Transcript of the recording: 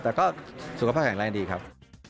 แต่ก็สุขภาพแข็งแรงดีครับ